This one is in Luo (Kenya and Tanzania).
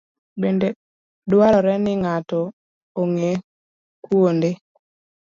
Bende dwarore ni ng'ato ong'e kuonde